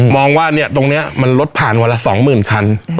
มองว่าตรงนี้มันรถผ่านวันละสองหมื่นคัน